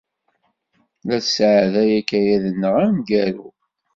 La nesɛedday akayad-nneɣ ameggaru.